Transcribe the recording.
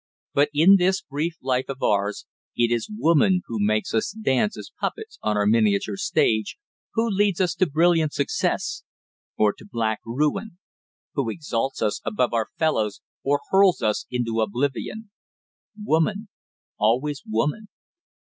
But in this brief life of ours it is woman who makes us dance as puppets on our miniature stage, who leads us to brilliant success or to black ruin, who exalts us above our fellows or hurls us into oblivion. Woman always woman.